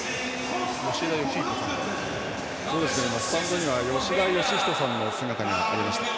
スタンドには吉田義人さんの姿がありました。